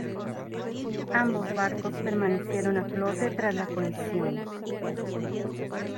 Ambos barcos permanecieron a flote tras la colisión.